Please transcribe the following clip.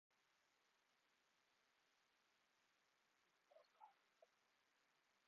Follow